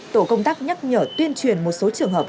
tổ công tác nhắc nhở tuyên truyền một số trường hợp